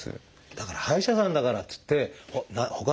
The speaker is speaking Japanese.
だから歯医者さんだからっつってほかの病気。